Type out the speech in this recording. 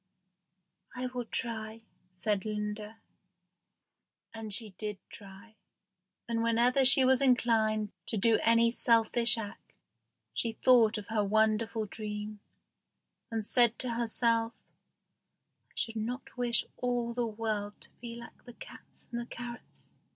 "I will try," said Linda. And she did try, and whenever she was inclined to do any selfish act she thought of her wonderful dream, and said to herself, "I should not wish all the world to be like the cats and the carrots."